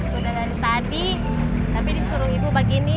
sudah dari tadi tapi disuruh ibu bagiin ini nih